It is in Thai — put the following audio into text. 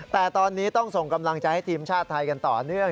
แต่ตอนนี้ต้องส่งกำลังใจให้ทีมชาติไทยกันต่อเนื่อง